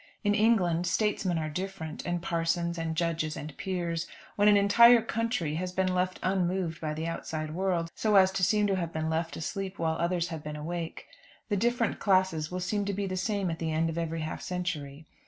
In England, statesmen are different, and parsons, and judges, and peers. When an entire country has been left unmoved by the outside world, so as to seem to have been left asleep while others have been awake, the different classes will seem to be the same at the end of every half century.